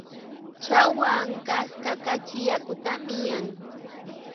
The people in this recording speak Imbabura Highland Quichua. Chawa ankaska kachi yakutami yan